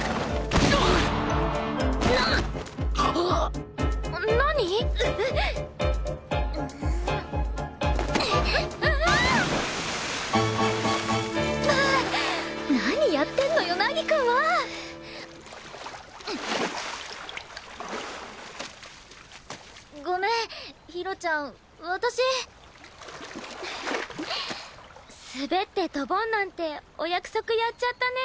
滑ってドボンなんてお約束やっちゃったね。